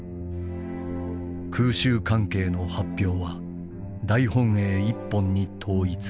空襲関係の発表は大本営一本に統一する」。